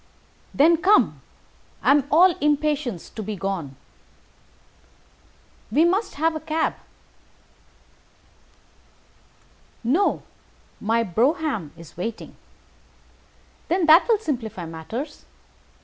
"Then come. I am all impatience to be gone." "We must have a cab." "No, my brougham is waiting." "Then that will simplify matters."